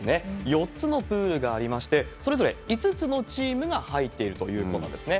４つのプールがありまして、それぞれ５つのチームが入っているということなんですね。